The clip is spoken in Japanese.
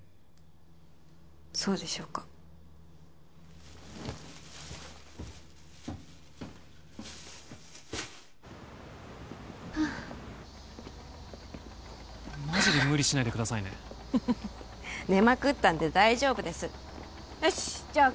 そうでしょうかはあっマジで無理しないでくださいねフフフッ寝まくったんで大丈夫ですよしじゃあ